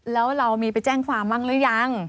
แล้วเรามีไปแจ้งความบ้างหรือยัง